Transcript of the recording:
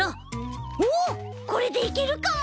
おっこれでいけるかも！